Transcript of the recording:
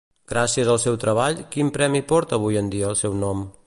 Gràcies al seu treball, quin premi porta avui en dia el seu nom?